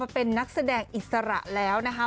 เป็นนักแสดงอิสระแล้วนะคะ